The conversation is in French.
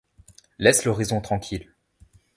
Laisse l’horizon tranquille.